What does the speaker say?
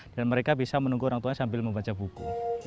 dan mereka bisa menunggu orang tuanya sambil membaca buku